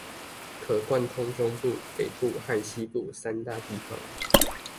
可貫通中部、北部和西部三大地方